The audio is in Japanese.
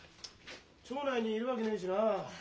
町内にいるわけねえしな。